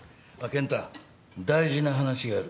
健太大事な話がある。